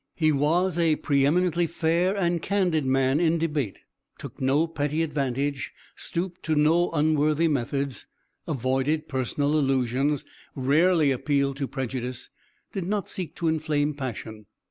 He was a pre eminently fair and candid man in debate, took no petty advantage, stooped to no unworthy methods, avoided personal allusions, rarely appealed to prejudice, did not seek to inflame passion.